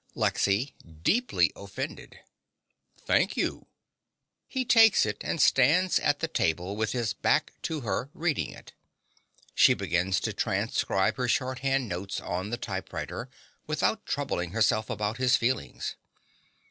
LEXY (deeply offended). Thank you. (He takes it and stands at the table with his back to her, reading it. She begins to transcribe her shorthand notes on the typewriter without troubling herself about his feelings.